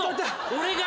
俺が！？